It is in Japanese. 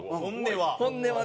本音は。